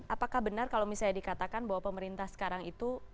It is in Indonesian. apakah benar kalau misalnya dikatakan bahwa pemerintah sekarang itu